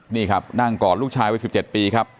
นี่ครับนางก่อนลูกชายวัย๑๗ปีครับ